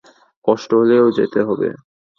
কষ্ট হলেও যেতে হবে।